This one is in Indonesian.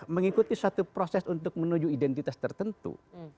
mengikuti suatu proses untuk menuju identitas tertentu